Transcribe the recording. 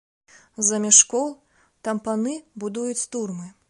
Замест школ там паны будуюць турмы.